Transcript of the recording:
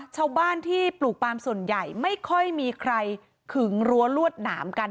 ชาวบ้านที่ปลูกปลามส่วนใหญ่ไม่ค่อยมีใครขึงรั้วลวดหนามกัน